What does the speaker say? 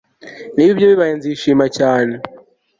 Niba ibyo bibaye nzishima cyane